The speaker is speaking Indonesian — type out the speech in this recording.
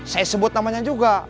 saya sebut namanya juga